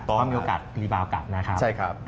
เพราะมีโอกาสรีบาลกลับนะครับ